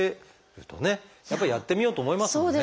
やっぱりやってみようと思いますもんね。